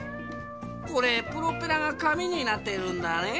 これプロペラがかみになってるんだね。